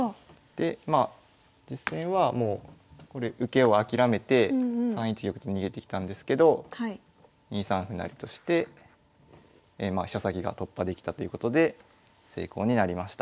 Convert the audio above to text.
でまあ実戦はもう受けを諦めて３一玉と逃げてきたんですけど２三歩成として飛車先が突破できたということで成功になりました。